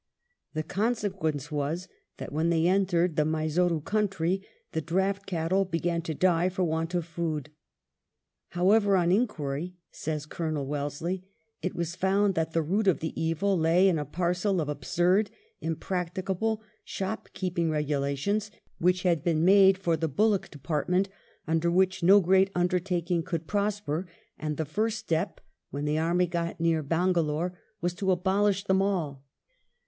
The consequence was that when they entered the Mysore country, the draught cattle began to die for want of food. "However, on inquiry," says Colonel Wellesley, " it was found that the root of the evil lay in a parcel of absurd, impracticable, shopkeeping regulations which had been made for the bullock department, under which no great undertaking could prosper, and the first step," when the army got near Bangalore, "was to abolish them all."